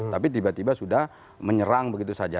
tapi tiba tiba sudah menyerang begitu saja